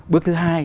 bước thứ hai